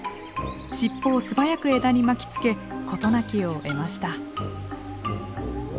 尻尾を素早く枝に巻きつけ事なきを得ました。